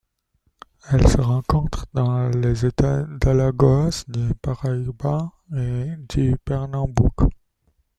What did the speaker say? Elle se rencontre dans les États d'Alagoas, du Paraíba et du Pernambouc.